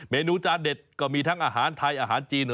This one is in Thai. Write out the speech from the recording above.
นูจานเด็ดก็มีทั้งอาหารไทยอาหารจีน